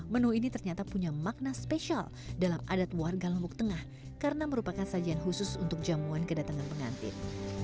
menu ini ternyata punya makna spesial dalam adat warga lombok tengah karena merupakan sajian khusus untuk jamuan kedatangan pengantin